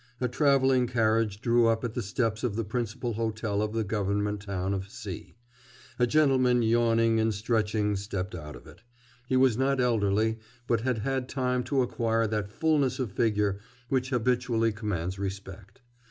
A travelling carriage drew up at the steps of the principal hotel of the government town of C ; a gentleman yawning and stretching stepped out of it. He was not elderly, but had had time to acquire that fulness of figure which habitually commands respect.